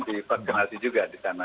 di vaksinasi juga di sana